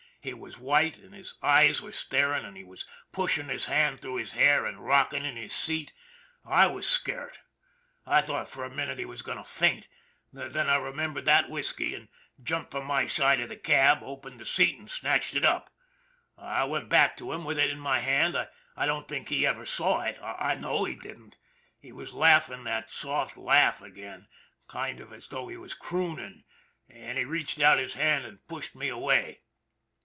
He was white and his eyes were staring and he was pushing his hand through his hair and rocking in his seat. I was scart. I thought for a minute he was going to faint, then I remembered that whisky and jumped for my side of the cab, opened the seat and snatched it up. I went back to him with it in my hand. I don't think he ever saw it I know he didn't. He was laughing that soft laugh again, kind of as though he was crooning, and he reached out his hand and pushed me away.